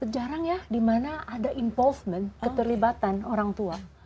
jarang ya di mana ada involvement keterlibatan orang tua